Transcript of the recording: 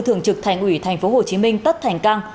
thượng trực thành ủy tp hcm tất thành căng